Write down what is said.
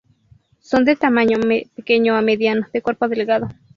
Son de tamaño pequeño a mediano, de cuerpo delgado.